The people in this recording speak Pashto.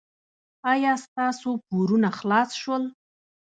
ایا ستاسو پورونه خلاص شول؟